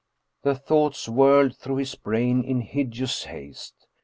" The thoughts whirled through his brain in hideous haste.